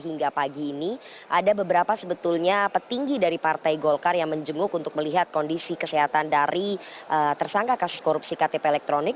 hingga pagi ini ada beberapa sebetulnya petinggi dari partai golkar yang menjenguk untuk melihat kondisi kesehatan dari tersangka kasus korupsi ktp elektronik